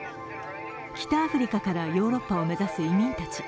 北アフリカからヨーロッパを目指す移民たち。